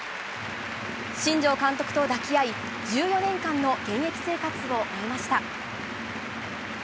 新庄監督と抱き合い、１４年間の現役生活を終えました。